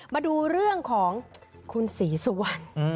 มาดูเรื่องของคุณศรีสุวรรณ